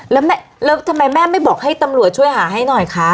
แล้วทำไมแม่ไม่บอกให้ตำรวจช่วยหาให้หน่อยคะ